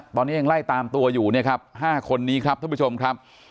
ตอนนี้ยังไล่ตามตัวอยู่เนี่ยครับ๕คนนี้ครับท่านผู้ชมครับ